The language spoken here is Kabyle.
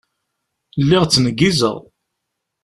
Lliɣ ttneggizeɣ.